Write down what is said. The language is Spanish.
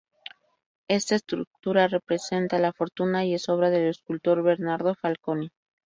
Esta estatua representa la Fortuna, y es obra del escultor Bernardo Falconi.